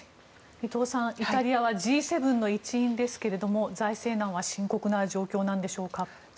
伊藤さん、イタリアはＧ７の一員ですけども財政難は深刻な状況なんでしょうか。